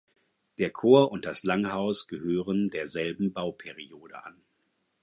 Der Chor und das Langhaus gehören derselben Bauperiode an.